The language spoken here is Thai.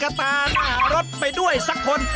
กะตาร่ารถไปด้วยสักคน